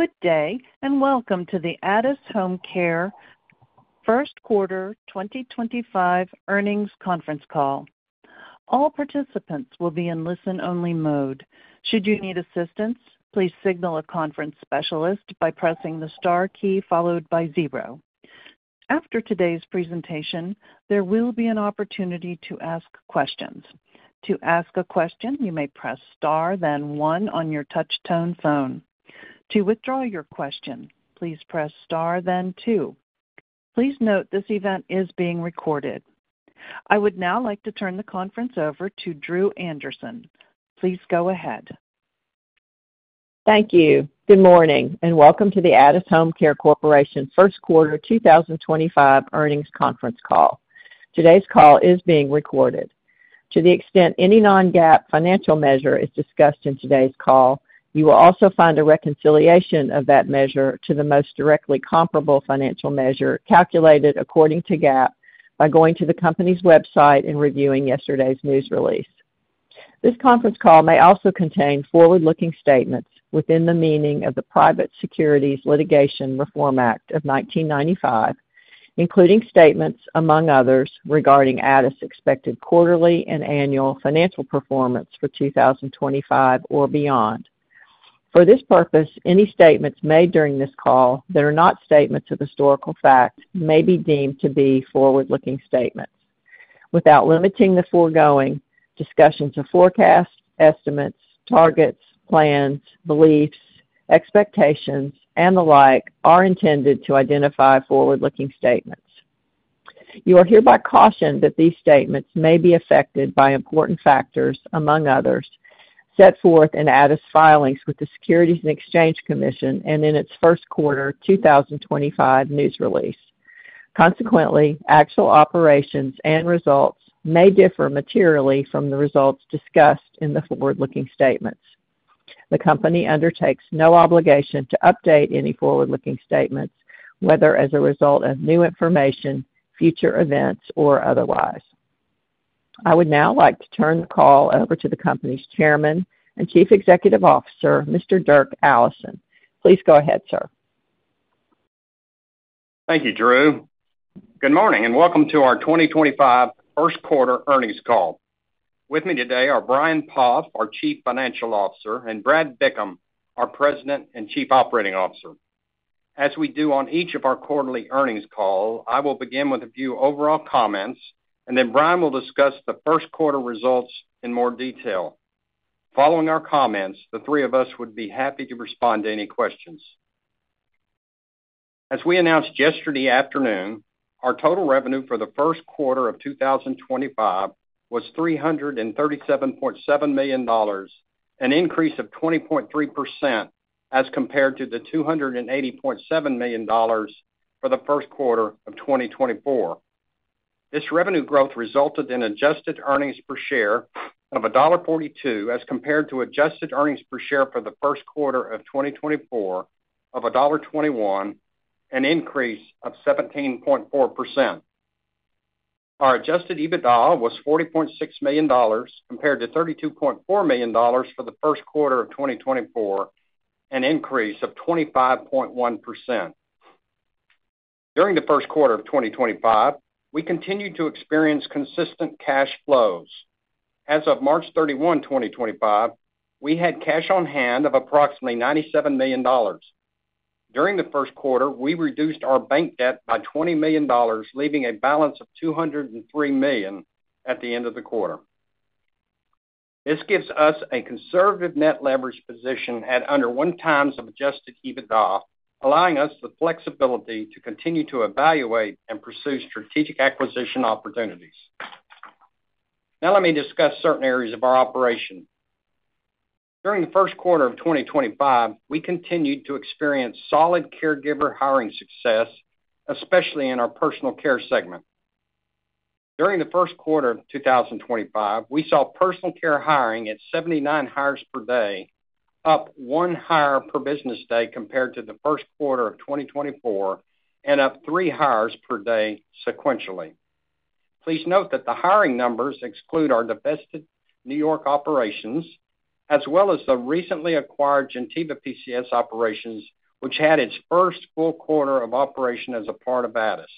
Good day and welcome to the Addus HomeCare First Quarter 2025 earnings conference call. All participants will be in listen-only mode. Should you need assistance, please signal a conference specialist by pressing the star key followed by zero. After today's presentation, there will be an opportunity to ask questions. To ask a question, you may press star, then one on your touch-tone phone. To withdraw your question, please press star, then two. Please note this event is being recorded. I would now like to turn the conference over to Dru Anderson. Please go ahead. Thank you. Good morning and welcome to the Addus HomeCare Corporation First Quarter 2025 earnings conference call. Today's call is being recorded. To the extent any non-GAAP financial measure is discussed in today's call, you will also find a reconciliation of that measure to the most directly comparable financial measure calculated according to GAAP by going to the company's website and reviewing yesterday's news release. This conference call may also contain forward-looking statements within the meaning of the Private Securities Litigation Reform Act of 1995, including statements, among others, regarding Addus' expected quarterly and annual financial performance for 2025 or beyond. For this purpose, any statements made during this call that are not statements of historical fact may be deemed to be forward-looking statements. Without limiting the foregoing, discussions of forecasts, estimates, targets, plans, beliefs, expectations, and the like are intended to identify forward-looking statements. You are hereby cautioned that these statements may be affected by important factors, among others, set forth in Addus' filings with the Securities and Exchange Commission and in its First Quarter 2025 news release. Consequently, actual operations and results may differ materially from the results discussed in the forward-looking statements. The company undertakes no obligation to update any forward-looking statements, whether as a result of new information, future events, or otherwise. I would now like to turn the call over to the company's Chairman and Chief Executive Officer, Mr. Dirk Allison. Please go ahead, sir. Thank you, Dru. Good morning and welcome to our 2025 First Quarter earnings call. With me today are Brian Poff, our Chief Financial Officer, and Brad Bickham, our President and Chief Operating Officer. As we do on each of our quarterly earnings calls, I will begin with a few overall comments, and then Brian will discuss the first quarter results in more detail. Following our comments, the three of us would be happy to respond to any questions. As we announced yesterday afternoon, our total revenue for the first quarter of 2025 was $337.7 million, an increase of 20.3% as compared to the $280.7 million for the first quarter of 2024. This revenue growth resulted in adjusted earnings per share of $1.42 as compared to adjusted earnings per share for the first quarter of 2024 of $1.21, an increase of 17.4%. Our adjusted EBITDA was $40.6 million compared to $32.4 million for the first quarter of 2024, an increase of 25.1%. During the first quarter of 2025, we continued to experience consistent cash flows. As of March 31, 2025, we had cash on hand of approximately $97 million. During the first quarter, we reduced our bank debt by $20 million, leaving a balance of $203 million at the end of the quarter. This gives us a conservative net leverage position at under one times of adjusted EBITDA, allowing us the flexibility to continue to evaluate and pursue strategic acquisition opportunities. Now let me discuss certain areas of our operation. During the first quarter of 2025, we continued to experience solid caregiver hiring success, especially in our personal care segment. During the first quarter of 2025, we saw personal care hiring at 79 hires per day, up one hire per business day compared to the first quarter of 2024, and up three hires per day sequentially. Please note that the hiring numbers exclude our divested New York operations, as well as the recently acquired Gentiva PCS operations, which had its first full quarter of operation as a part of Addus.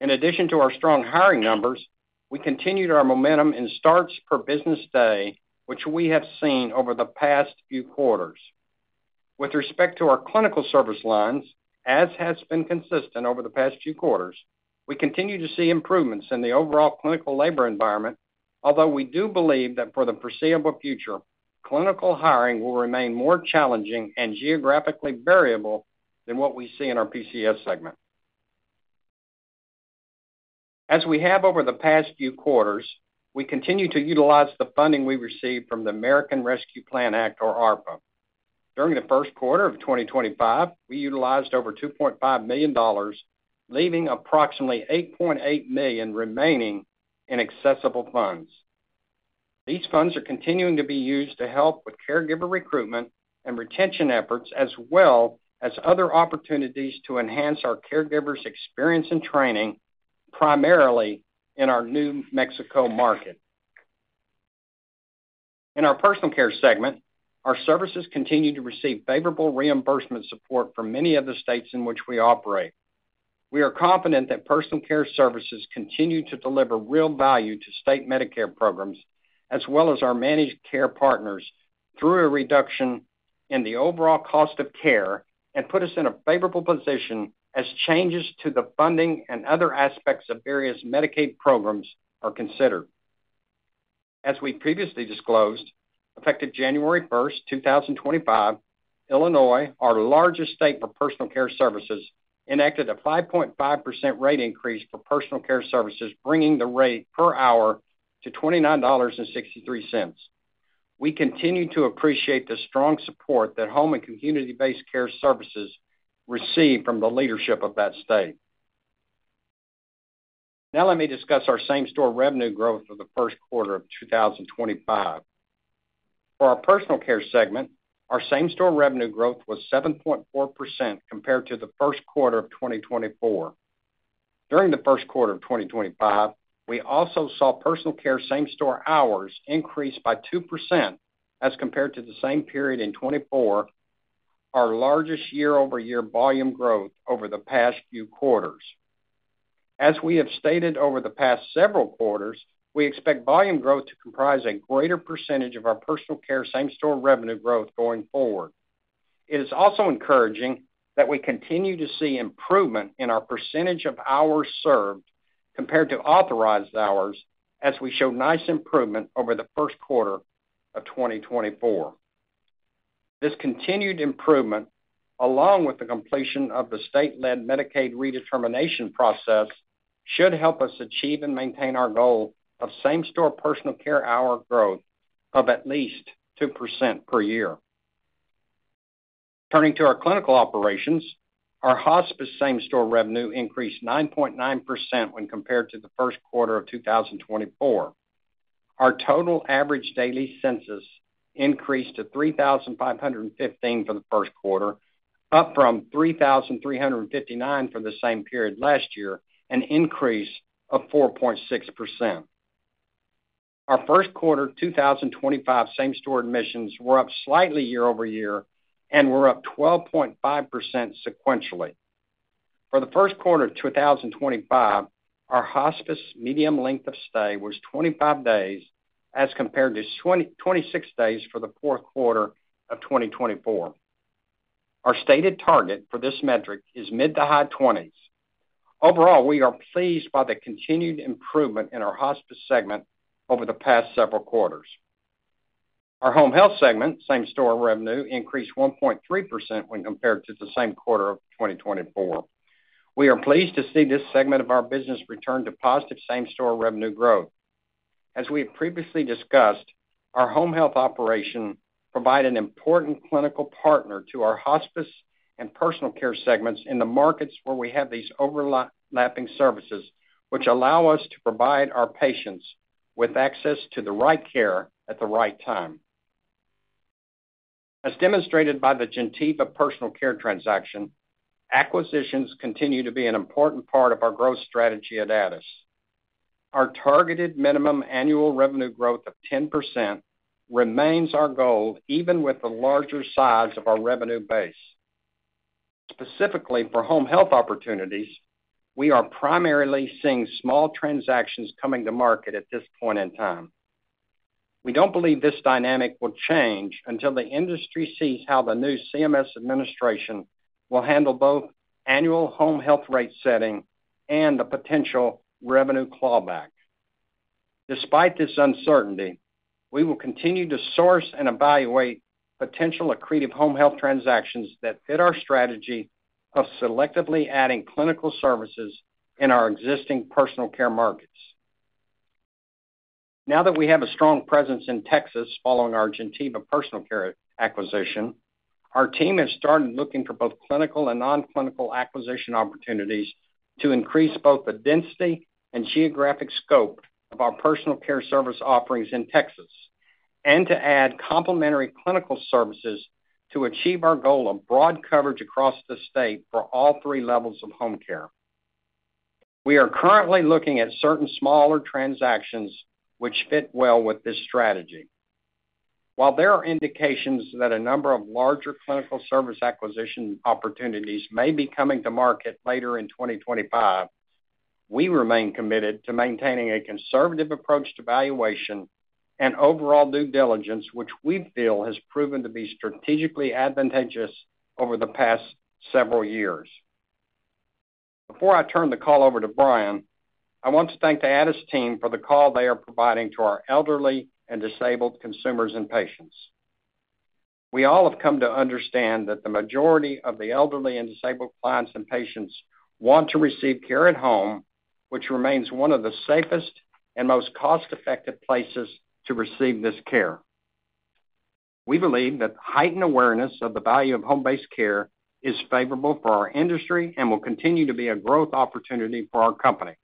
In addition to our strong hiring numbers, we continued our momentum in starts per business day, which we have seen over the past few quarters. With respect to our clinical service lines, as has been consistent over the past few quarters, we continue to see improvements in the overall clinical labor environment, although we do believe that for the foreseeable future, clinical hiring will remain more challenging and geographically variable than what we see in our PCS segment. As we have over the past few quarters, we continue to utilize the funding we received from the American Rescue Plan Act, or ARPA. During the first quarter of 2025, we utilized over $2.5 million, leaving approximately $8.8 million remaining in accessible funds. These funds are continuing to be used to help with caregiver recruitment and retention efforts, as well as other opportunities to enhance our caregivers' experience and training, primarily in our New Mexico market. In our personal care segment, our services continue to receive favorable reimbursement support from many of the states in which we operate. We are confident that personal care services continue to deliver real value to state Medicare programs, as well as our managed care partners, through a reduction in the overall cost of care and put us in a favorable position as changes to the funding and other aspects of various Medicaid programs are considered. As we previously disclosed, effective January 1st, 2025, Illinois, our largest state for personal care services, enacted a 5.5% rate increase for personal care services, bringing the rate per hour to $29.63. We continue to appreciate the strong support that home and community-based care services receive from the leadership of that state. Now let me discuss our same-store revenue growth for the first quarter of 2025. For our personal care segment, our same-store revenue growth was 7.4% compared to the first quarter of 2024. During the first quarter of 2025, we also saw personal care same-store hours increase by 2% as compared to the same period in 2024, our largest year-over-year volume growth over the past few quarters. As we have stated over the past several quarters, we expect volume growth to comprise a greater percentage of our personal care same-store revenue growth going forward. It is also encouraging that we continue to see improvement in our percentage of hours served compared to authorized hours, as we showed nice improvement over the first quarter of 2024. This continued improvement, along with the completion of the state-led Medicaid redetermination process, should help us achieve and maintain our goal of same-store personal care hour growth of at least 2% per year. Turning to our clinical operations, our hospice same-store revenue increased 9.9% when compared to the first quarter of 2024. Our total average daily census increased to 3,515 for the first quarter, up from 3,359 for the same period last year, an increase of 4.6%. Our first quarter 2025 same-store admissions were up slightly year-over-year and were up 12.5% sequentially. For the first quarter of 2025, our hospice median length of stay was 25 days as compared to 26 days for the fourth quarter of 2024. Our stated target for this metric is mid to high 20s. Overall, we are pleased by the continued improvement in our hospice segment over the past several quarters. Our home health segment same-store revenue increased 1.3% when compared to the same quarter of 2024. We are pleased to see this segment of our business return to positive same-store revenue growth. As we have previously discussed, our home health operation provides an important clinical partner to our hospice and personal care segments in the markets where we have these overlapping services, which allow us to provide our patients with access to the right care at the right time. As demonstrated by the Gentiva PCS transaction, acquisitions continue to be an important part of our growth strategy at Addus. Our targeted minimum annual revenue growth of 10% remains our goal, even with the larger size of our revenue base. Specifically for home health opportunities, we are primarily seeing small transactions coming to market at this point in time. We don't believe this dynamic will change until the industry sees how the new CMS administration will handle both annual home health rate setting and the potential revenue clawback. Despite this uncertainty, we will continue to source and evaluate potential accretive home health transactions that fit our strategy of selectively adding clinical services in our existing personal care markets. Now that we have a strong presence in Texas following our Gentiva PCS personal care acquisition, our team has started looking for both clinical and non-clinical acquisition opportunities to increase both the density and geographic scope of our personal care service offerings in Texas and to add complementary clinical services to achieve our goal of broad coverage across the state for all three levels of home care. We are currently looking at certain smaller transactions which fit well with this strategy. While there are indications that a number of larger clinical service acquisition opportunities may be coming to market later in 2025, we remain committed to maintaining a conservative approach to valuation and overall due diligence, which we feel has proven to be strategically advantageous over the past several years. Before I turn the call over to Brian, I want to thank the Addus team for the care they are providing to our elderly and disabled consumers and patients. We all have come to understand that the majority of the elderly and disabled clients and patients want to receive care at home, which remains one of the safest and most cost-effective places to receive this care. We believe that the heightened awareness of the value of home-based care is favorable for our industry and will continue to be a growth opportunity for our company.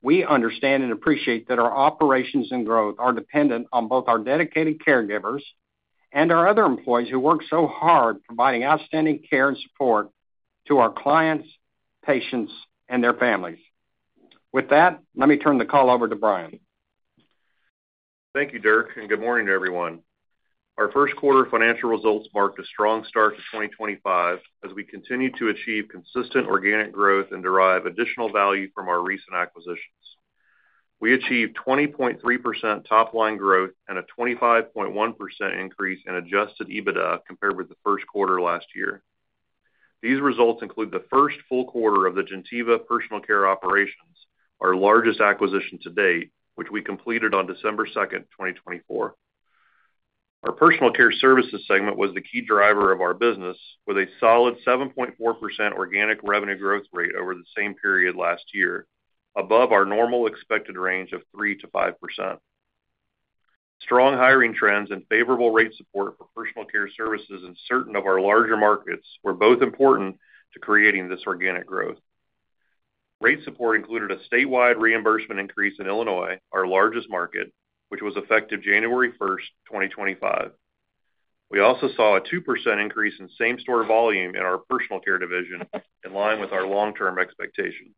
We understand and appreciate that our operations and growth are dependent on both our dedicated caregivers and our other employees who work so hard providing outstanding care and support to our clients, patients, and their families. With that, let me turn the call over to Brian. Thank you, Dirk, and good morning to everyone. Our first quarter financial results marked a strong start to 2025 as we continue to achieve consistent organic growth and derive additional value from our recent acquisitions. We achieved 20.3% top-line growth and a 25.1% increase in adjusted EBITDA compared with the first quarter last year. These results include the first full quarter of the Gentiva personal care operations, our largest acquisition to date, which we completed on December 2nd, 2024. Our personal care services segment was the key driver of our business, with a solid 7.4% organic revenue growth rate over the same period last year, above our normal expected range of 3%-5%. Strong hiring trends and favorable rate support for personal care services in certain of our larger markets were both important to creating this organic growth. Rate support included a statewide reimbursement increase in Illinois, our largest market, which was effective January 1st, 2025. We also saw a 2% increase in same-store volume in our personal care division, in line with our long-term expectation.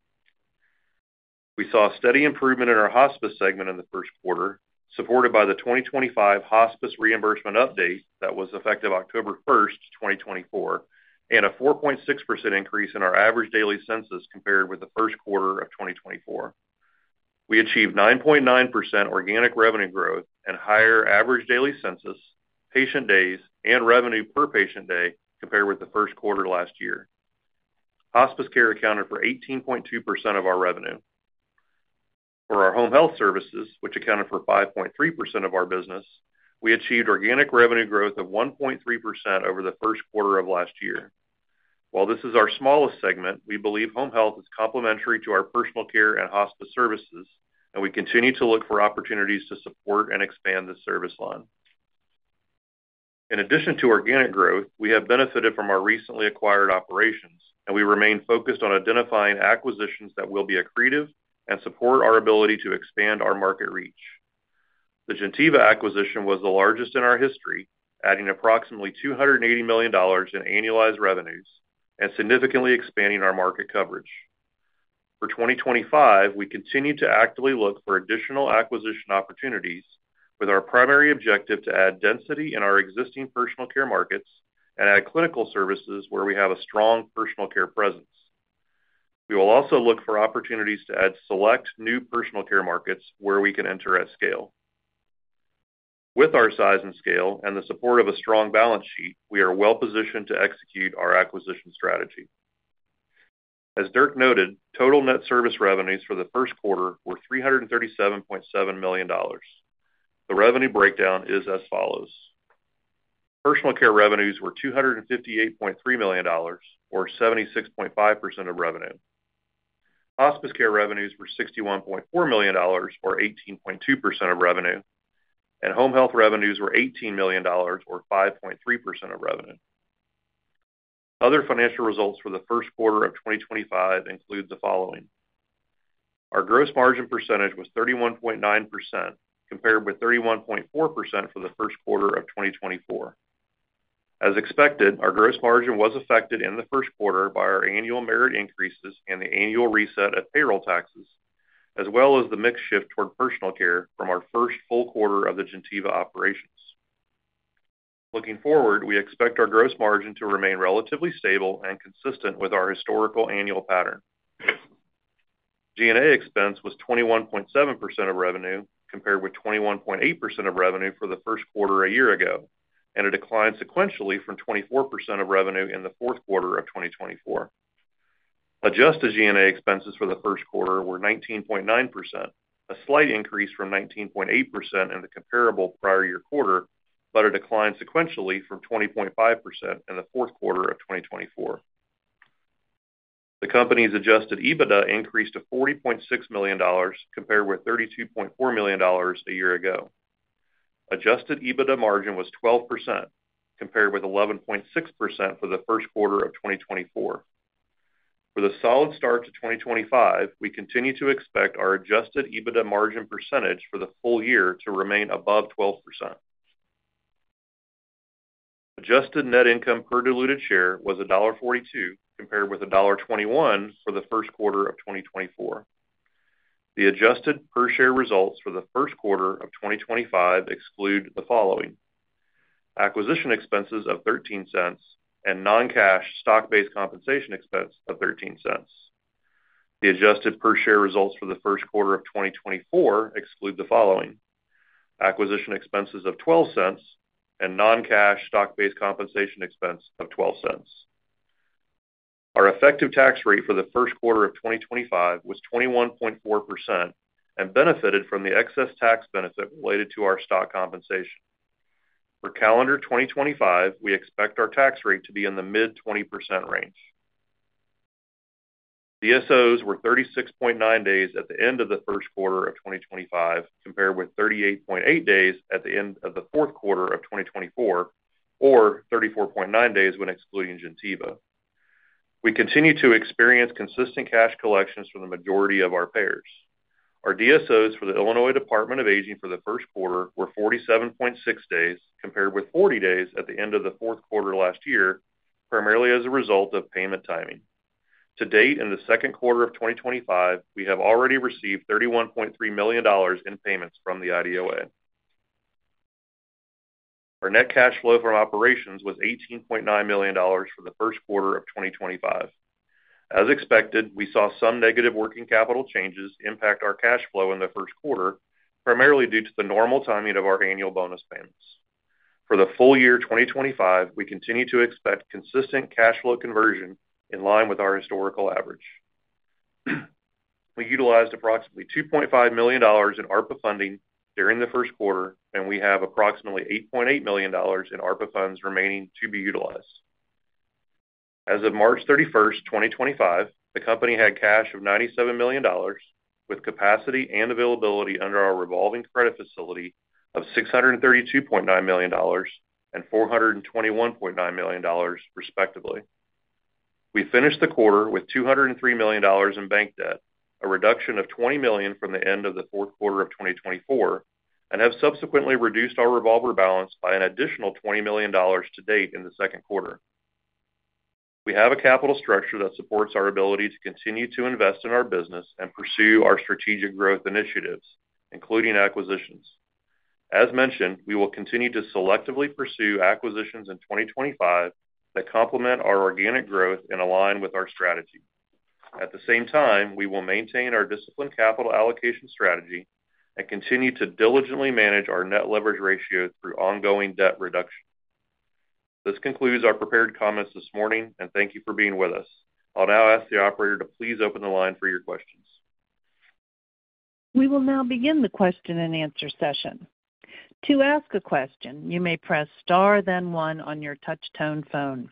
We saw steady improvement in our hospice segment in the first quarter, supported by the 2025 hospice reimbursement update that was effective October 1, 2024, and a 4.6% increase in our average daily census compared with the first quarter of 2024. We achieved 9.9% organic revenue growth and higher average daily census, patient days, and revenue per patient day compared with the first quarter last year. Hospice care accounted for 18.2% of our revenue. For our home health services, which accounted for 5.3% of our business, we achieved organic revenue growth of 1.3% over the first quarter of last year. While this is our smallest segment, we believe home health is complementary to our personal care and hospice services, and we continue to look for opportunities to support and expand this service line. In addition to organic growth, we have benefited from our recently acquired operations, and we remain focused on identifying acquisitions that will be accretive and support our ability to expand our market reach. The Gentiva acquisition was the largest in our history, adding approximately $280 million in annualized revenues and significantly expanding our market coverage. For 2025, we continue to actively look for additional acquisition opportunities, with our primary objective to add density in our existing personal care markets and add clinical services where we have a strong personal care presence. We will also look for opportunities to add select new personal care markets where we can enter at scale. With our size and scale and the support of a strong balance sheet, we are well-positioned to execute our acquisition strategy. As Dirk noted, total net service revenues for the first quarter were $337.7 million. The revenue breakdown is as follows. Personal care revenues were $258.3 million, or 76.5% of revenue. Hospice care revenues were $61.4 million, or 18.2% of revenue, and home health revenues were $18 million, or 5.3% of revenue. Other financial results for the first quarter of 2025 include the following. Our gross margin percentage was 31.9%, compared with 31.4% for the first quarter of 2024. As expected, our gross margin was affected in the first quarter by our annual merit increases and the annual reset of payroll taxes, as well as the mix shift toward personal care from our first full quarter of the Gentiva operations. Looking forward, we expect our gross margin to remain relatively stable and consistent with our historical annual pattern. G&A expense was 21.7% of revenue, compared with 21.8% of revenue for the first quarter a year ago, and it declined sequentially from 24% of revenue in the fourth quarter of 2024. Adjusted G&A expenses for the first quarter were 19.9%, a slight increase from 19.8% in the comparable prior year quarter, but it declined sequentially from 20.5% in the fourth quarter of 2024. The company's adjusted EBITDA increased to $40.6 million, compared with $32.4 million a year ago. Adjusted EBITDA margin was 12%, compared with 11.6% for the first quarter of 2024. For the solid start to 2025, we continue to expect our adjusted EBITDA margin percentage for the full year to remain above 12%. Adjusted net income per diluted share was $1.42, compared with $1.21 for the first quarter of 2024. The adjusted per-share results for the first quarter of 2025 exclude the following: acquisition expenses of $0.13 and non-cash stock-based compensation expense of $0.13. The adjusted per-share results for the first quarter of 2024 exclude the following: acquisition expenses of $0.12 and non-cash stock-based compensation expense of $0.12. Our effective tax rate for the first quarter of 2025 was 21.4% and benefited from the excess tax benefit related to our stock compensation. For calendar 2025, we expect our tax rate to be in the mid-20% range. DSOs were 36.9 days at the end of the first quarter of 2025, compared with 38.8 days at the end of the fourth quarter of 2024, or 34.9 days when excluding Gentiva. We continue to experience consistent cash collections from the majority of our payers. Our DSOs for the Illinois Department of Aging for the first quarter were 47.6 days, compared with 40 days at the end of the fourth quarter last year, primarily as a result of payment timing. To date, in the second quarter of 2025, we have already received $31.3 million in payments from the IDOA. Our net cash flow from operations was $18.9 million for the first quarter of 2025. As expected, we saw some negative working capital changes impact our cash flow in the first quarter, primarily due to the normal timing of our annual bonus payments. For the full year 2025, we continue to expect consistent cash flow conversion in line with our historical average. We utilized approximately $2.5 million in ARPA funding during the first quarter, and we have approximately $8.8 million in ARPA funds remaining to be utilized. As of March 31st, 2025, the company had cash of $97 million, with capacity and availability under our revolving credit facility of $632.9 million and $421.9 million, respectively. We finished the quarter with $203 million in bank debt, a reduction of $20 million from the end of the fourth quarter of 2024, and have subsequently reduced our revolver balance by an additional $20 million to date in the second quarter. We have a capital structure that supports our ability to continue to invest in our business and pursue our strategic growth initiatives, including acquisitions. As mentioned, we will continue to selectively pursue acquisitions in 2025 that complement our organic growth and align with our strategy. At the same time, we will maintain our disciplined capital allocation strategy and continue to diligently manage our net leverage ratio through ongoing debt reduction. This concludes our prepared comments this morning, and thank you for being with us. I'll now ask the operator to please open the line for your questions. We will now begin the question and answer session. To ask a question, you may press star, then one on your touch-tone phone.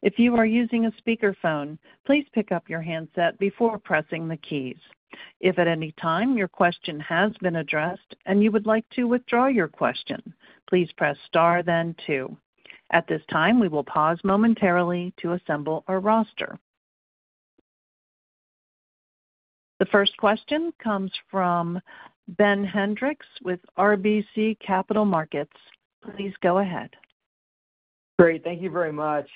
If you are using a speakerphone, please pick up your handset before pressing the keys. If at any time your question has been addressed and you would like to withdraw your question, please press star, then two. At this time, we will pause momentarily to assemble our roster. The first question comes from Ben Hendrix with RBC Capital Markets. Please go ahead. Great. Thank you very much.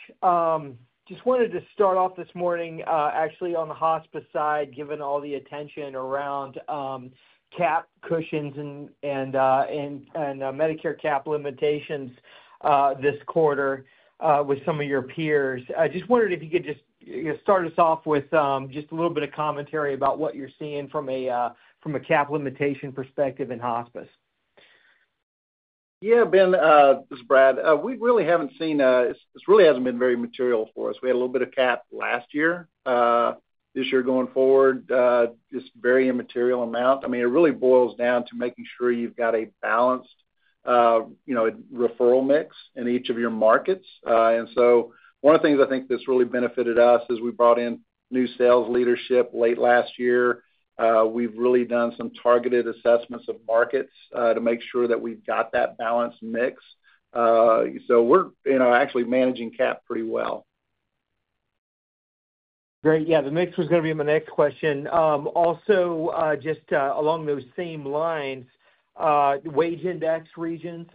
Just wanted to start off this morning, actually, on the hospice side, given all the attention around cap cushions and Medicare cap limitations this quarter with some of your peers. I just wondered if you could just start us off with just a little bit of commentary about what you're seeing from a cap limitation perspective in hospice. Yeah, Ben, this is Brad. We really haven't seen—this really hasn't been very material for us. We had a little bit of cap last year. This year going forward, just very immaterial amount. I mean, it really boils down to making sure you've got a balanced referral mix in each of your markets. One of the things I think that's really benefited us is we brought in new sales leadership late last year. We've really done some targeted assessments of markets to make sure that we've got that balanced mix. We're actually managing cap pretty well. Great. Yeah, the next was going to be my next question. Also, just along those same lines, wage index regions,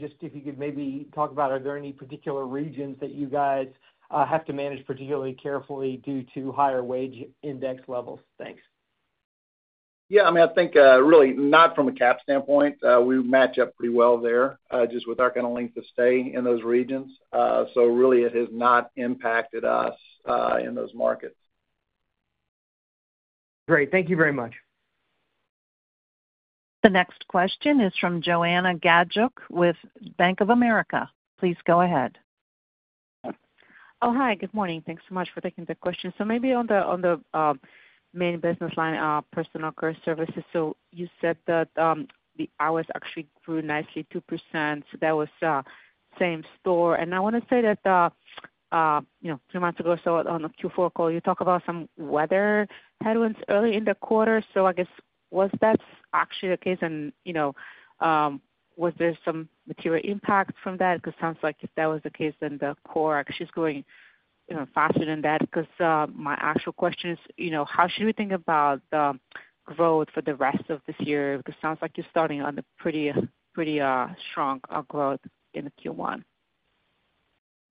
just if you could maybe talk about, are there any particular regions that you guys have to manage particularly carefully due to higher wage index levels? Thanks. Yeah. I mean, I think really not from a cap standpoint. We match up pretty well there, just with our kind of length of stay in those regions. So really, it has not impacted us in those markets. Great. Thank you very much. The next question is from Joanna Gajuk with Bank of America. Please go ahead. Oh, hi. Good morning. Thanks so much for taking the question. Maybe on the main business line, personal care services. You said that the hours actually grew nicely, 2%. That was same store. I want to say that three months ago, on the Q4 call, you talked about some weather headwinds early in the quarter. I guess, was that actually the case? Was there some material impact from that? It sounds like if that was the case, then the core actually is growing faster than that. My actual question is, how should we think about the growth for the rest of this year? It sounds like you're starting on a pretty strong growth in Q1.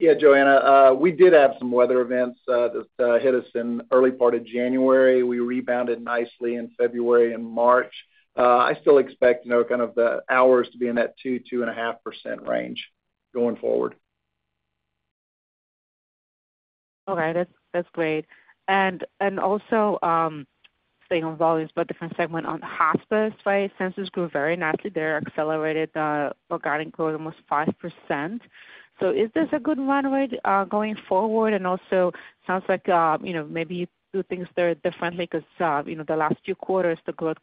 Yeah, Joanna, we did have some weather events that hit us in early part of January. We rebounded nicely in February and March. I still expect kind of the hours to be in that 2-2.5% range going forward. All right. That's great. Also, staying on volumes, but different segment, on hospice, right? Census grew very nicely there, accelerated regarding growth, almost 5%. Is this a good runway going forward? Also, it sounds like maybe you do things there differently because the last few quarters, the growth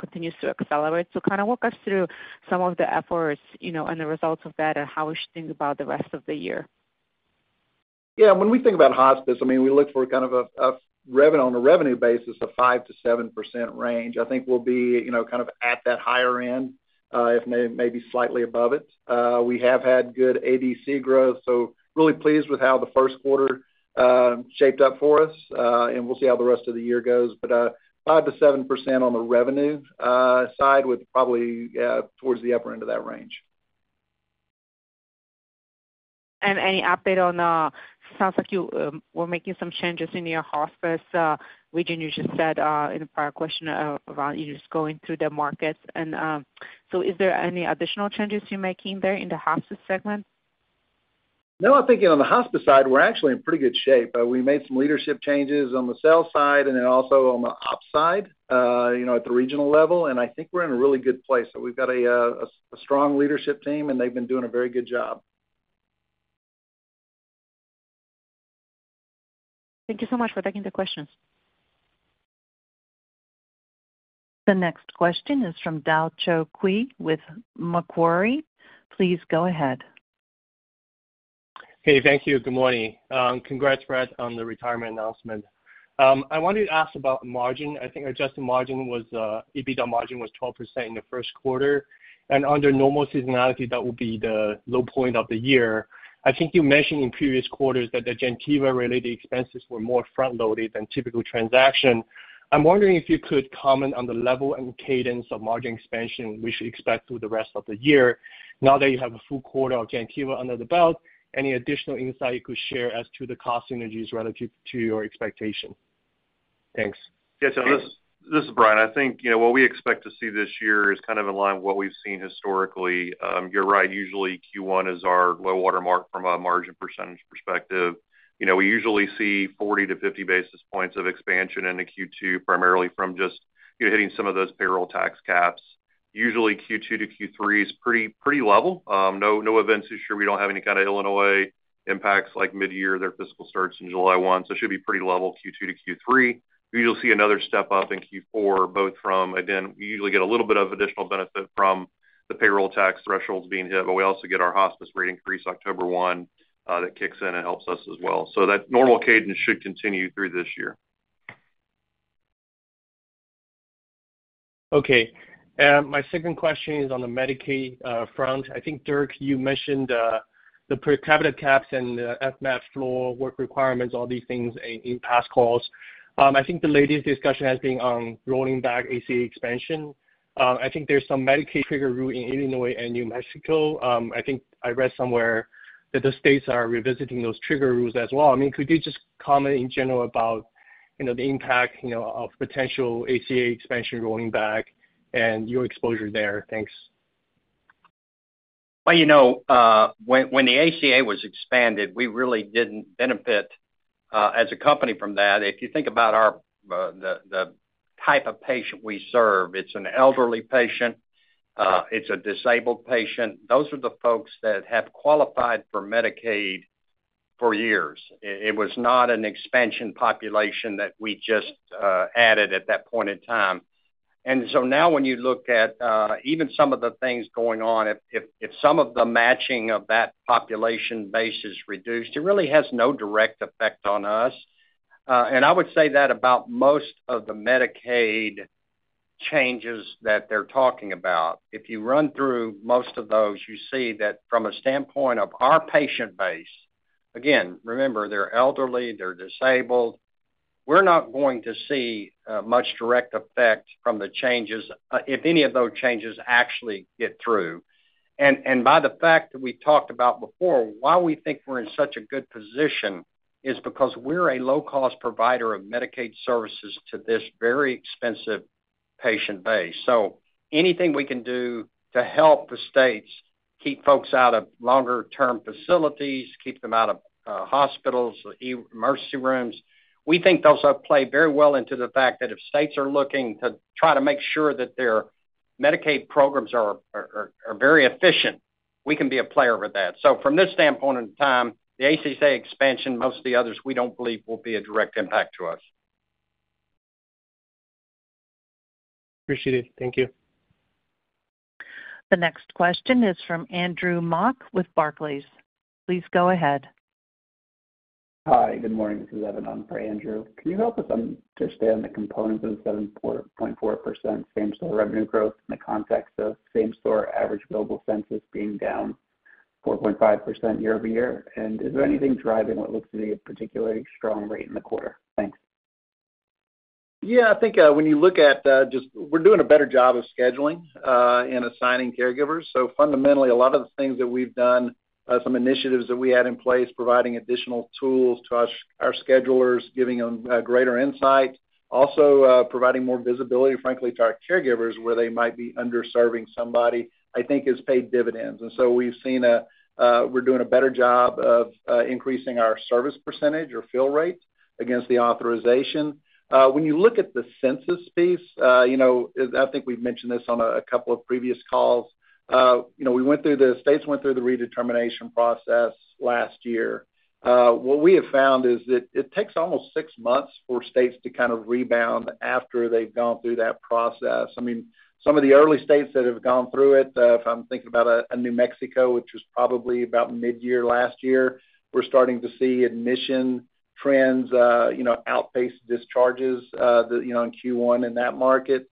continues to accelerate. Kind of walk us through some of the efforts and the results of that, and how we should think about the rest of the year. Yeah. When we think about hospice, I mean, we look for kind of a revenue, on a revenue basis, a 5-7% range. I think we'll be kind of at that higher end, if maybe slightly above it. We have had good ADC growth. So really pleased with how the first quarter shaped up for us. And we'll see how the rest of the year goes. But 5-7% on the revenue side, with probably towards the upper end of that range. Any update on—sounds like you were making some changes in your hospice region, you just said in the prior question around just going through the markets. Is there any additional changes you're making there in the hospice segment? No, I think on the hospice side, we're actually in pretty good shape. We made some leadership changes on the sales side and then also on the ops side at the regional level. I think we're in a really good place. We've got a strong leadership team, and they've been doing a very good job. Thank you so much for taking the questions. The next question is from Tao Qiu with Macquarie. Please go ahead. Hey, thank you. Good morning. Congrats, Brad, on the retirement announcement. I wanted to ask about margin. I think adjusted EBITDA margin was 12% in the first quarter. Under normal seasonality, that will be the low point of the year. I think you mentioned in previous quarters that the Gentiva-related expenses were more front-loaded than a typical transaction. I'm wondering if you could comment on the level and cadence of margin expansion we should expect through the rest of the year. Now that you have a full quarter of Gentiva under the belt, any additional insight you could share as to the cost synergies relative to your expectation? Thanks. Yeah, so this is Brian. I think what we expect to see this year is kind of in line with what we've seen historically. You're right. Usually, Q1 is our low watermark from a margin percentage perspective. We usually see 40-50 basis points of expansion in the Q2, primarily from just hitting some of those payroll tax caps. Usually, Q2-Q3 is pretty level. No events issue. We don't have any kind of Illinois impacts like mid-year. Their fiscal starts in July 1. It should be pretty level Q2-Q3. We will see another step up in Q4, both from, again, we usually get a little bit of additional benefit from the payroll tax thresholds being hit, but we also get our hospice rate increase October 1 that kicks in and helps us as well. That normal cadence should continue through this year. Okay. My second question is on the Medicaid front. I think, Dirk, you mentioned the pre-capital caps and the FMAP floor work requirements, all these things in past calls. I think the latest discussion has been on rolling back ACA expansion. I think there's some Medicaid trigger rule in Illinois and New Mexico. I think I read somewhere that the states are revisiting those trigger rules as well. I mean, could you just comment in general about the impact of potential ACA expansion rolling back and your exposure there? Thanks. You know, when the ACA was expanded, we really did not benefit as a company from that. If you think about the type of patient we serve, it is an elderly patient. It is a disabled patient. Those are the folks that have qualified for Medicaid for years. It was not an expansion population that we just added at that point in time. Now, when you look at even some of the things going on, if some of the matching of that population base is reduced, it really has no direct effect on us. I would say that about most of the Medicaid changes that they are talking about. If you run through most of those, you see that from a standpoint of our patient base, again, remember, they are elderly, they are disabled. We're not going to see much direct effect from the changes, if any of those changes actually get through. By the fact that we talked about before, why we think we're in such a good position is because we're a low-cost provider of Medicaid services to this very expensive patient base. Anything we can do to help the states keep folks out of longer-term facilities, keep them out of hospitals, emergency rooms, we think those play very well into the fact that if states are looking to try to make sure that their Medicaid programs are very efficient, we can be a player with that. From this standpoint in time, the ACA expansion, most of the others, we don't believe will be a direct impact to us. Appreciate it. Thank you. The next question is from Andrew Mak with Barclays. Please go ahead. Hi. Good morning. This is Ivan on for Andrew. Can you help us understand the components of the 7.4% same store revenue growth in the context of same store average global census being down 4.5% year-over-year? Is there anything driving what looks to be a particularly strong rate in the quarter? Thanks. Yeah. I think when you look at just we're doing a better job of scheduling and assigning caregivers. Fundamentally, a lot of the things that we've done, some initiatives that we had in place, providing additional tools to our schedulers, giving them greater insight, also providing more visibility, frankly, to our caregivers where they might be underserving somebody, I think has paid dividends. We've seen we're doing a better job of increasing our service percentage or fill rate against the authorization. When you look at the census piece, I think we've mentioned this on a couple of previous calls. We went through the states went through the redetermination process last year. What we have found is that it takes almost six months for states to kind of rebound after they've gone through that process. I mean, some of the early states that have gone through it, if I'm thinking about a New Mexico, which was probably about mid-year last year, we're starting to see admission trends outpace discharges in Q1 in that market.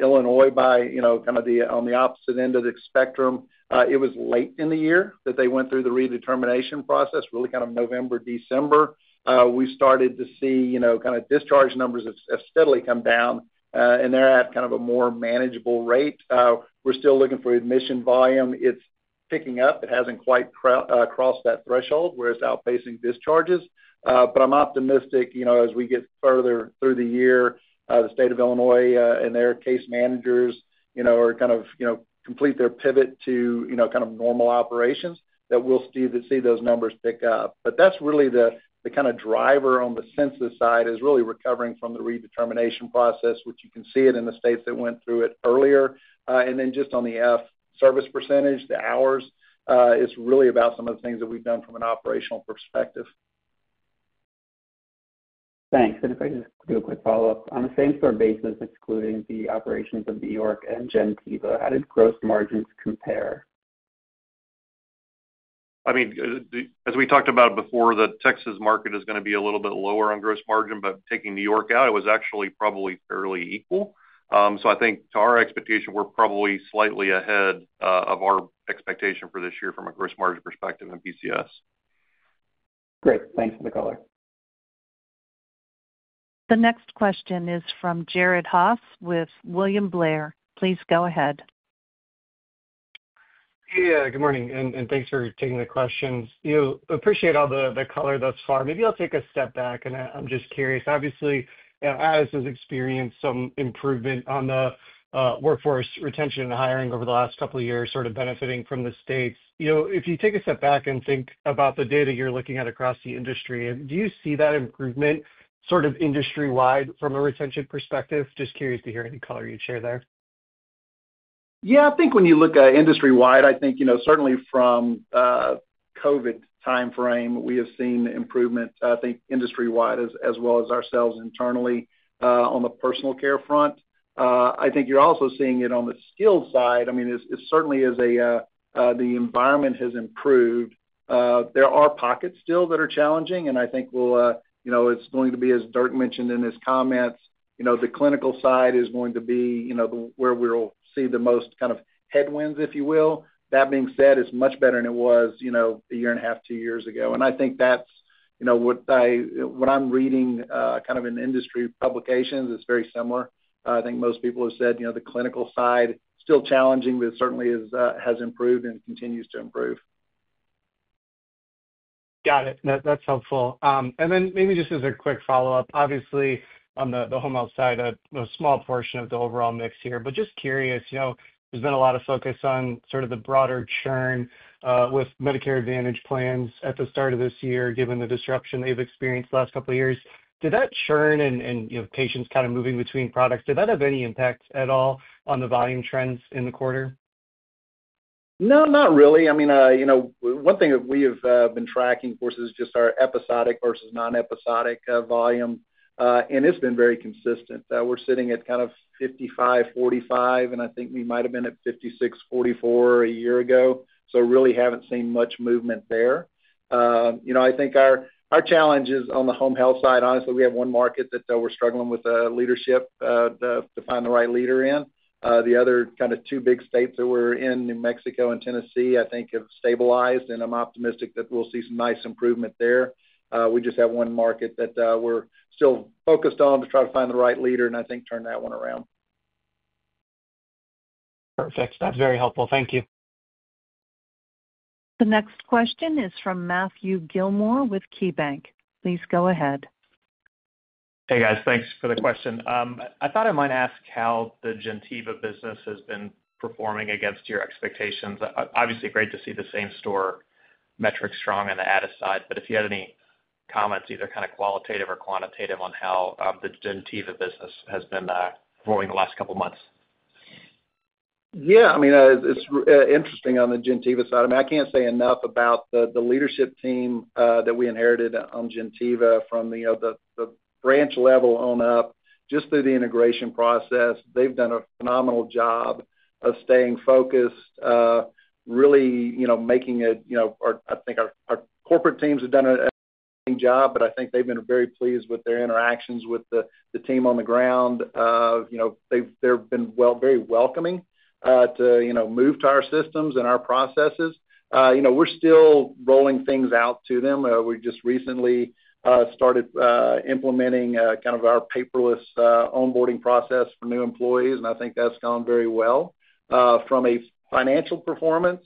Illinois, by kind of on the opposite end of the spectrum, it was late in the year that they went through the redetermination process, really kind of November, December. We started to see kind of discharge numbers have steadily come down, and they're at kind of a more manageable rate. We're still looking for admission volume. It's picking up. It hasn't quite crossed that threshold, whereas outpacing discharges. But I'm optimistic as we get further through the year, the state of Illinois and their case managers are kind of complete their pivot to kind of normal operations, that we'll see those numbers pick up. That's really the kind of driver on the census side, is really recovering from the redetermination process, which you can see in the states that went through it earlier. Just on the F service percentage, the hours, it's really about some of the things that we've done from an operational perspective. Thanks. If I could just do a quick follow-up. On the same store basis, excluding the operations of New York and Gentiva, how did gross margins compare? I mean, as we talked about before, the Texas market is going to be a little bit lower on gross margin, but taking New York out, it was actually probably fairly equal. I think to our expectation, we're probably slightly ahead of our expectation for this year from a gross margin perspective in PCS. Great. Thanks for the color. The next question is from Jared Haase with William Blair. Please go ahead. Yeah. Good morning. Thanks for taking the questions. Appreciate all the color thus far. Maybe I'll take a step back, and I'm just curious. Obviously, Addus has experienced some improvement on the workforce retention and hiring over the last couple of years, sort of benefiting from the states. If you take a step back and think about the data you're looking at across the industry, do you see that improvement sort of industry-wide from a retention perspective? Just curious to hear any color you'd share there. Yeah. I think when you look at industry-wide, I think certainly from COVID timeframe, we have seen improvement, I think, industry-wide as well as ourselves internally on the personal care front. I think you're also seeing it on the skilled side. I mean, it certainly is a, the environment has improved. There are pockets still that are challenging, and I think it's going to be, as Dirk mentioned in his comments, the clinical side is going to be where we'll see the most kind of headwinds, if you will. That being said, it's much better than it was a year and a half, two years ago. I think that's what I'm reading kind of in industry publications is very similar. I think most people have said the clinical side still challenging, but it certainly has improved and continues to improve. Got it. That's helpful. Maybe just as a quick follow-up, obviously, on the home health side, a small portion of the overall mix here. Just curious, there's been a lot of focus on sort of the broader churn with Medicare Advantage plans at the start of this year, given the disruption they've experienced the last couple of years. Did that churn and patients kind of moving between products, did that have any impact at all on the volume trends in the quarter? No, not really. I mean, one thing that we have been tracking, of course, is just our episodic versus non-episodic volume. And it's been very consistent. We're sitting at kind of 55-45, and I think we might have been at 56-44 a year ago. So really haven't seen much movement there. I think our challenges on the home health side, honestly, we have one market that we're struggling with leadership to find the right leader in. The other kind of two big states that we're in, New Mexico and Tennessee, I think have stabilized, and I'm optimistic that we'll see some nice improvement there. We just have one market that we're still focused on to try to find the right leader and I think turn that one around. Perfect. That's very helpful. Thank you. The next question is from Matthew Gillmor with KeyBank. Please go ahead. Hey, guys. Thanks for the question. I thought I might ask how the Gentiva business has been performing against your expectations. Obviously, great to see the same-store metrics strong on the Addus side, but if you had any comments, either kind of qualitative or quantitative, on how the Gentiva business has been performing the last couple of months. Yeah. I mean, it's interesting on the Gentiva side. I mean, I can't say enough about the leadership team that we inherited on Gentiva from the branch level on up, just through the integration process. They've done a phenomenal job of staying focused, really making it, or I think our corporate teams have done an excellent job, but I think they've been very pleased with their interactions with the team on the ground. They've been very welcoming to move to our systems and our processes. We're still rolling things out to them. We just recently started implementing kind of our paperless onboarding process for new employees, and I think that's gone very well. From a financial performance,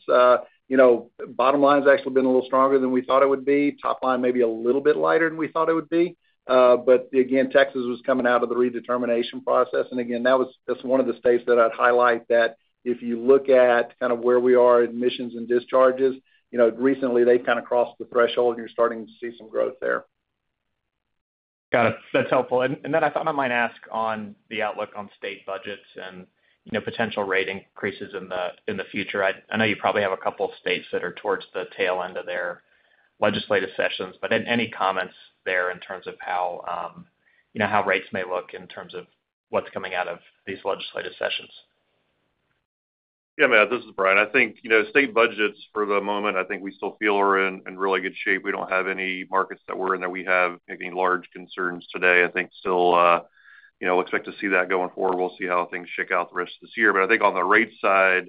bottom line has actually been a little stronger than we thought it would be. Top line maybe a little bit lighter than we thought it would be. Texas was coming out of the redetermination process. Again, that's one of the states that I'd highlight that if you look at kind of where we are, admissions and discharges, recently they've kind of crossed the threshold and you're starting to see some growth there. Got it. That's helpful. I thought I might ask on the outlook on state budgets and potential rate increases in the future. I know you probably have a couple of states that are towards the tail end of their legislative sessions, but any comments there in terms of how rates may look in terms of what's coming out of these legislative sessions? Yeah, man. This is Brian. I think state budgets for the moment, I think we still feel are in really good shape. We do not have any markets that we are in that we have any large concerns today. I think still expect to see that going forward. We will see how things shake out the rest of this year. I think on the rate side,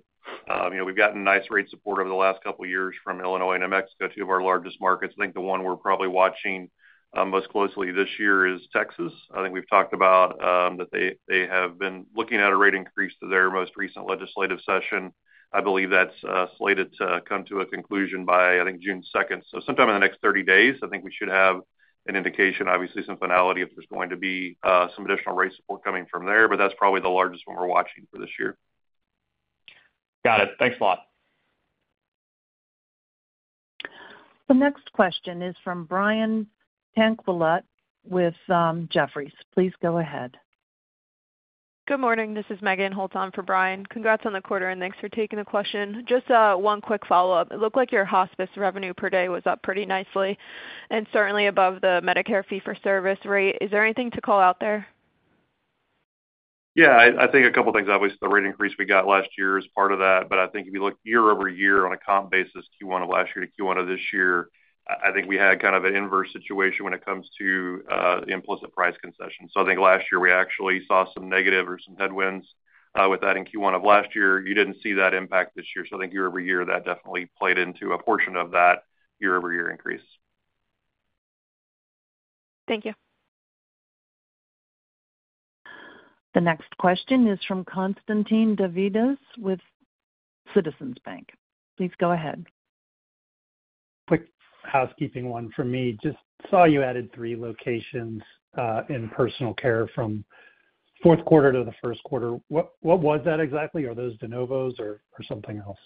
we have gotten nice rate support over the last couple of years from Illinois and New Mexico, two of our largest markets. I think the one we are probably watching most closely this year is Texas. I think we have talked about that they have been looking at a rate increase through their most recent legislative session. I believe that is slated to come to a conclusion by, I think, June 2nd. Sometime in the next 30 days, I think we should have an indication, obviously, some finality if there's going to be some additional rate support coming from there. That is probably the largest one we're watching for this year. Got it. Thanks a lot. The next question is from Brian Tanquilut with Jefferies. Please go ahead. Good morning. This is Megan Holtz on for Brian. Congrats on the quarter and thanks for taking the question. Just one quick follow-up. It looked like your hospice revenue per day was up pretty nicely and certainly above the Medicare fee for service rate. Is there anything to call out there? Yeah. I think a couple of things. Obviously, the rate increase we got last year is part of that. I think if you look year-over-year on a comp basis, Q1 of last year to Q1 of this year, I think we had kind of an inverse situation when it comes to implicit price concession. I think last year we actually saw some negative or some headwinds with that in Q1 of last year. You did not see that impact this year. I think year-over-year that definitely played into a portion of that year-over-year increase. Thank you. The next question is from Constantine Davides with Citizens Bank. Please go ahead. Quick housekeeping one from me. Just saw you added three locations in personal care from fourth quarter to the first quarter. What was that exactly? Are those de novos or something else?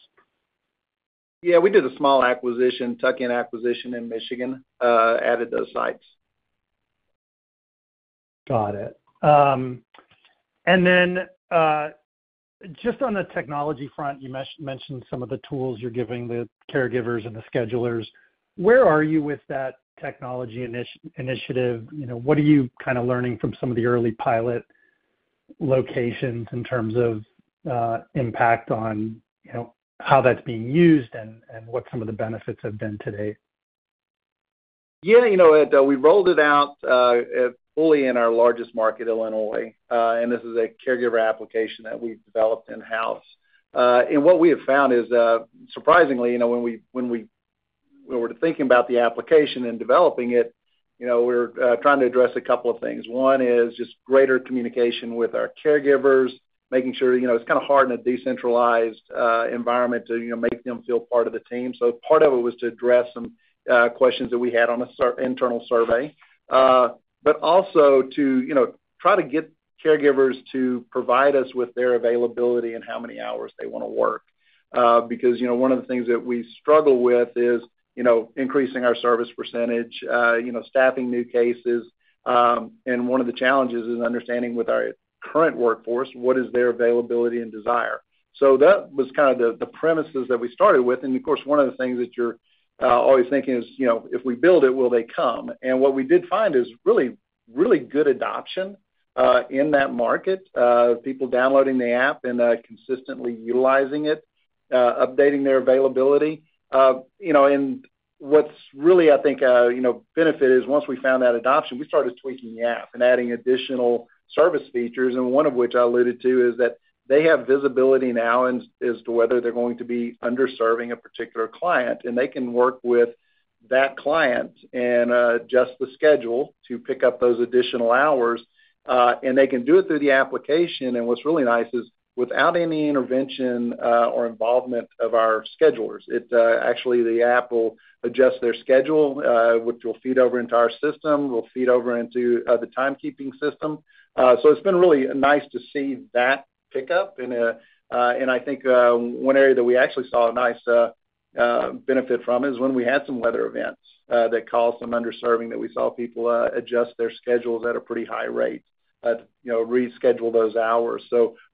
Yeah. We did a small acquisition, tuck-in acquisition in Michigan, added those sites. Got it. And then just on the technology front, you mentioned some of the tools you're giving the caregivers and the schedulers. Where are you with that technology initiative? What are you kind of learning from some of the early pilot locations in terms of impact on how that's being used and what some of the benefits have been today? Yeah. We rolled it out fully in our largest market, Illinois. This is a caregiver application that we've developed in-house. What we have found is, surprisingly, when we were thinking about the application and developing it, we're trying to address a couple of things. One is just greater communication with our caregivers, making sure it's kind of hard in a decentralized environment to make them feel part of the team. Part of it was to address some questions that we had on an internal survey, but also to try to get caregivers to provide us with their availability and how many hours they want to work. Because one of the things that we struggle with is increasing our service percentage, staffing new cases. One of the challenges is understanding with our current workforce, what is their availability and desire? That was kind of the premises that we started with. Of course, one of the things that you're always thinking is, if we build it, will they come? What we did find is really, really good adoption in that market, people downloading the app and consistently utilizing it, updating their availability. What's really, I think, a benefit is once we found that adoption, we started tweaking the app and adding additional service features. One of which I alluded to is that they have visibility now as to whether they're going to be underserving a particular client, and they can work with that client and adjust the schedule to pick up those additional hours. They can do it through the application. What's really nice is without any intervention or involvement of our schedulers. Actually, the app will adjust their schedule, which will feed over into our system, will feed over into the timekeeping system. It has been really nice to see that pick up. I think one area that we actually saw a nice benefit from is when we had some weather events that caused some underserving, that we saw people adjust their schedules at a pretty high rate, reschedule those hours.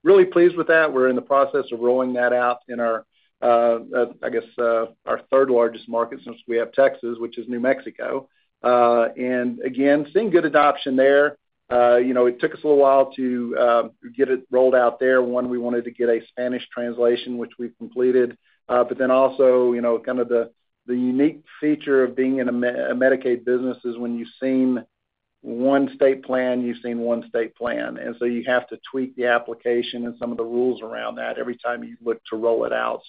Really pleased with that. We are in the process of rolling that out in our, I guess, our third largest market since we have Texas, which is New Mexico. Again, seeing good adoption there. It took us a little while to get it rolled out there. One, we wanted to get a Spanish translation, which we have completed. Then also kind of the unique feature of being in a Medicaid business is when you've seen one state plan, you've seen one state plan. You have to tweak the application and some of the rules around that every time you look to roll it out.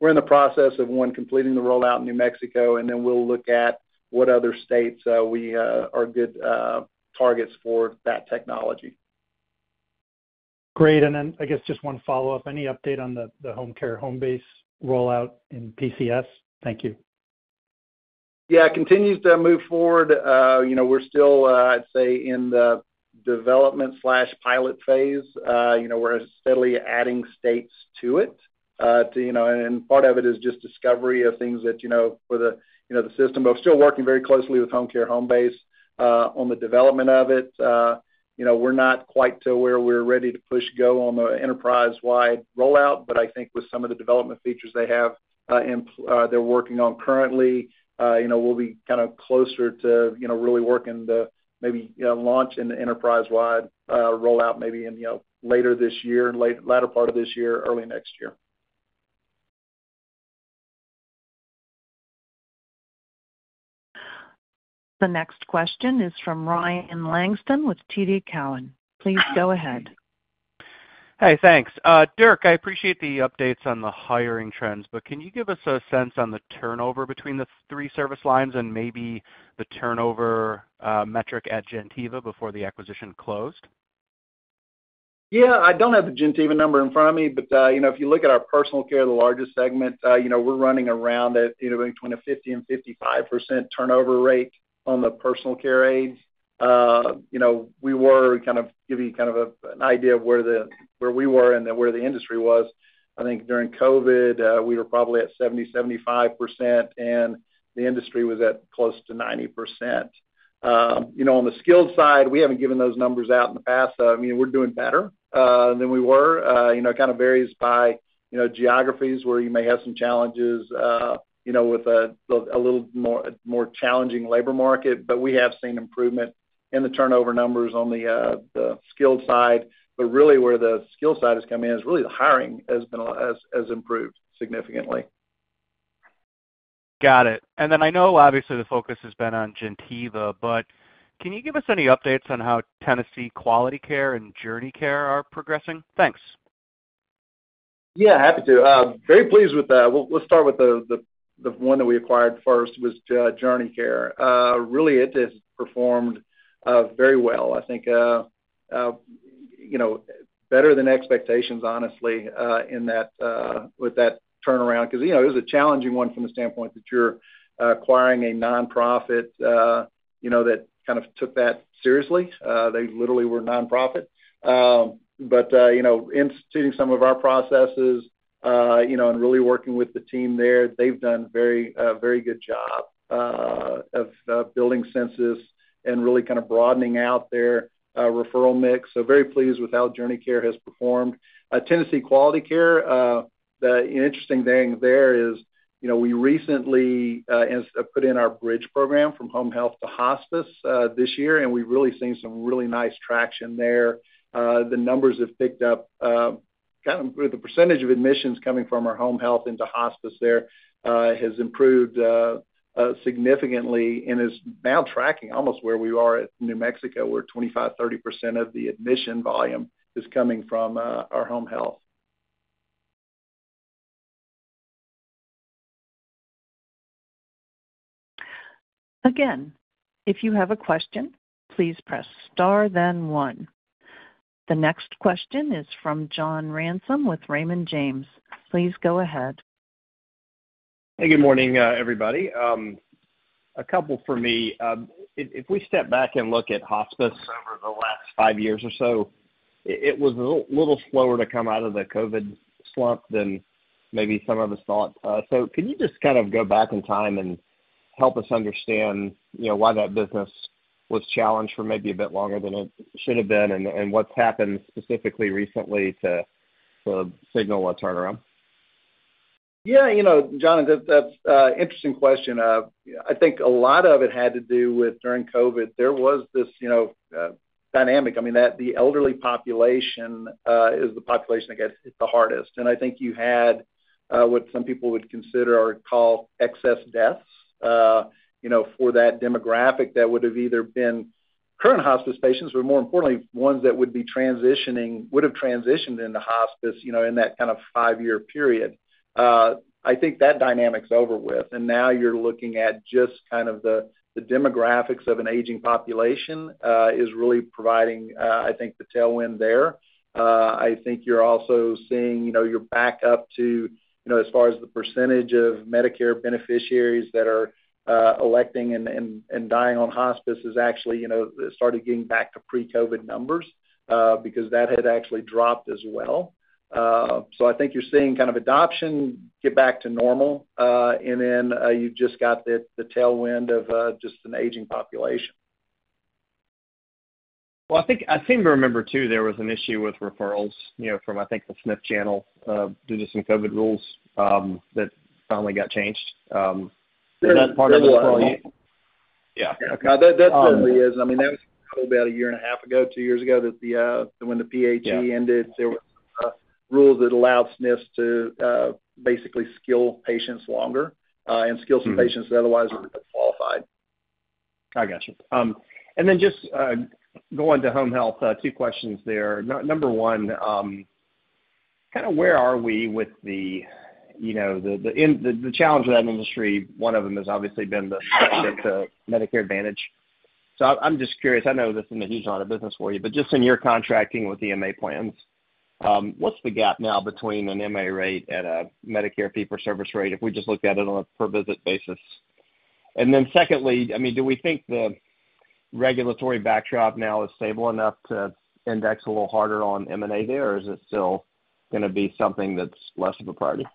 We're in the process of one completing the rollout in New Mexico, and then we'll look at what other states we are good targets for that technology. Great. I guess just one follow-up. Any update on the Home Care Home Base rollout in PCS? Thank you. Yeah. Continues to move forward. We're still, I'd say, in the development/pilot phase. We're steadily adding states to it. Part of it is just discovery of things for the system. We're still working very closely with Homecare Homebase on the development of it. We're not quite to where we're ready to push go on the enterprise-wide rollout, but I think with some of the development features they have they're working on currently, we'll be kind of closer to really working to maybe launch an enterprise-wide rollout maybe in later this year, latter part of this year, early next year. The next question is from Ryan Langston with TD Cowen. Please go ahead. Hey, thanks. Dirk, I appreciate the updates on the hiring trends, but can you give us a sense on the turnover between the three service lines and maybe the turnover metric at Gentiva before the acquisition closed? Yeah. I don't have the Gentiva number in front of me, but if you look at our personal care, the largest segment, we're running around at between a 50-55% turnover rate on the personal care aides. We were kind of giving you kind of an idea of where we were and where the industry was. I think during COVID, we were probably at 70-75%, and the industry was at close to 90%. On the skilled side, we haven't given those numbers out in the past. I mean, we're doing better than we were. It kind of varies by geographies where you may have some challenges with a little more challenging labor market, but we have seen improvement in the turnover numbers on the skilled side. Really where the skilled side has come in is really the hiring has improved significantly. Got it. I know obviously the focus has been on Gentiva, but can you give us any updates on how Tennessee Quality Care and JourneyCare are progressing? Thanks. Yeah, happy to. Very pleased with that. We'll start with the one that we acquired first was JourneyCare. Really, it has performed very well. I think better than expectations, honestly, with that turnaround. Because it was a challenging one from the standpoint that you're acquiring a nonprofit that kind of took that seriously. They literally were nonprofit. But instituting some of our processes and really working with the team there, they've done a very good job of building census and really kind of broadening out their referral mix. So very pleased with how JourneyCare has performed. Tennessee Quality Care, the interesting thing there is we recently put in our bridge program from home health to hospice this year, and we've really seen some really nice traction there. The numbers have picked up. Kind of the percentage of admissions coming from our home health into hospice there has improved significantly and is now tracking almost where we are at New Mexico, where 25%-30% of the admission volume is coming from our home health. Again, if you have a question, please press star, then one. The next question is from John Ransom with Raymond James. Please go ahead. Hey, good morning, everybody. A couple for me. If we step back and look at hospice over the last five years or so, it was a little slower to come out of the COVID slump than maybe some of us thought. Can you just kind of go back in time and help us understand why that business was challenged for maybe a bit longer than it should have been and what has happened specifically recently to signal a turnaround? Yeah, John, that's an interesting question. I think a lot of it had to do with during COVID, there was this dynamic. I mean, the elderly population is the population that gets hit the hardest. I think you had what some people would consider or call excess deaths for that demographic that would have either been current hospice patients or, more importantly, ones that would have transitioned into hospice in that kind of five-year period. I think that dynamic's over with. Now you're looking at just kind of the demographics of an aging population is really providing, I think, the tailwind there. I think you're also seeing you're back up to as far as the percentage of Medicare beneficiaries that are electing and dying on hospice has actually started getting back to pre-COVID numbers because that had actually dropped as well. I think you're seeing kind of adoption get back to normal, and then you've just got the tailwind of just an aging population. I seem to remember too there was an issue with referrals from, I think, the SNF channel due to some COVID rules that finally got changed. Is that part of the referral? Yeah. Yeah. That certainly is. I mean, that was probably about a year and a half ago, two years ago that when the PHE ended, there were rules that allowed SNF to basically skill patients longer and skill some patients that otherwise were unqualified. I gotcha. And then just going to home health, two questions there. Number one, kind of where are we with the challenge of that industry? One of them has obviously been the Medicare Advantage. So I'm just curious. I know this isn't a huge amount of business for you, but just in your contracting with MA plans, what's the gap now between an MA rate and a Medicare fee-for-service rate if we just look at it on a per-visit basis? And then secondly, I mean, do we think the regulatory backdrop now is stable enough to index a little harder on M&A there, or is it still going to be something that's less of a priority?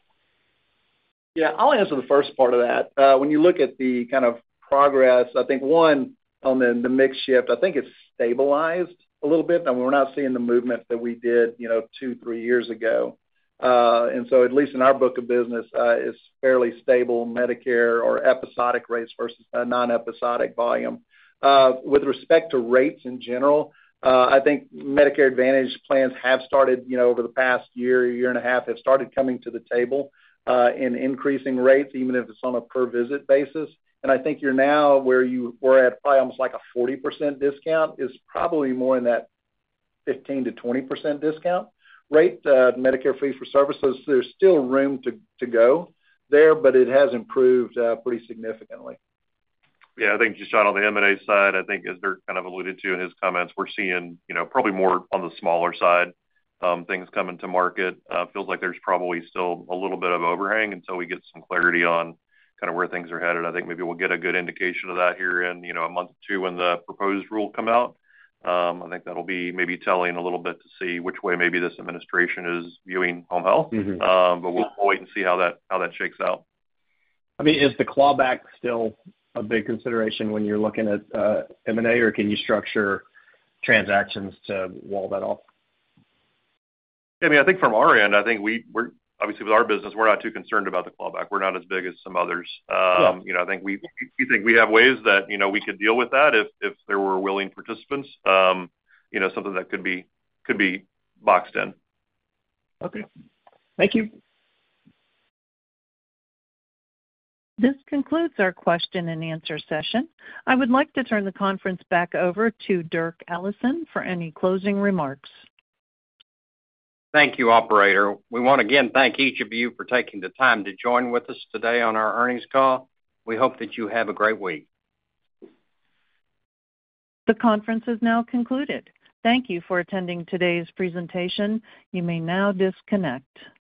Yeah. I'll answer the first part of that. When you look at the kind of progress, I think one element, the mix shift, I think it's stabilized a little bit. We're not seeing the movement that we did two, three years ago. At least in our book of business, it's fairly stable Medicare or episodic rates versus non-episodic volume. With respect to rates in general, I think Medicare Advantage plans have started over the past year, year and a half, have started coming to the table in increasing rates, even if it's on a per-visit basis. I think you're now where you were at probably almost like a 40% discount is probably more in that 15%-20% discount rate Medicare fee-for-service. There's still room to go there, but it has improved pretty significantly. Yeah. I think just on the M&A side, I think, as Dirk kind of alluded to in his comments, we're seeing probably more on the smaller side things coming to market. Feels like there's probably still a little bit of overhang until we get some clarity on kind of where things are headed. I think maybe we'll get a good indication of that here in a month or two when the proposed rule come out. I think that'll be maybe telling a little bit to see which way maybe this administration is viewing home health. We'll wait and see how that shakes out. I mean, is the clawback still a big consideration when you're looking at M&A, or can you structure transactions to wall that off? Yeah. I mean, I think from our end, I think obviously with our business, we're not too concerned about the clawback. We're not as big as some others. I think we think we have ways that we could deal with that if there were willing participants, something that could be boxed in. Okay. Thank you. This concludes our question and answer session. I would like to turn the conference back over to Dirk Allison for any closing remarks. Thank you, operator. We want to again thank each of you for taking the time to join with us today on our earnings call. We hope that you have a great week. The conference is now concluded. Thank you for attending today's presentation. You may now disconnect.